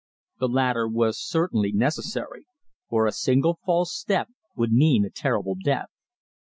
The latter was certainly necessary, for a single false step would mean a terrible death.